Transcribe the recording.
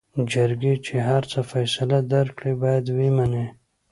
جرګې چې هر څه فيصله درکړې بايد وې منې.